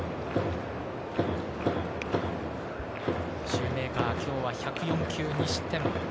シューメーカー、今日は１０４球２失点。